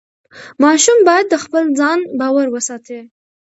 ماشوم باید د خپل ځان باور وساتي.